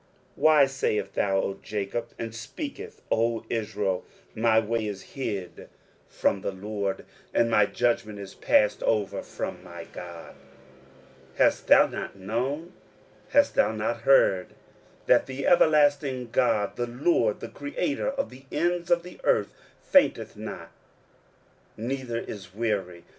23:040:027 Why sayest thou, O Jacob, and speakest, O Israel, My way is hid from the LORD, and my judgment is passed over from my God? 23:040:028 Hast thou not known? hast thou not heard, that the everlasting God, the LORD, the Creator of the ends of the earth, fainteth not, neither is weary?